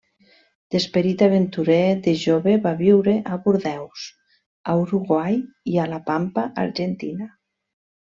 D'esperit aventurer, de jove va viure a Bordeus, a Uruguai i a la Pampa argentina.